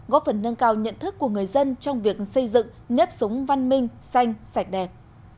góp phần nâng cao nhận thức của người dân trong việc xây dựng nếp sống văn minh xanh sạch đẹp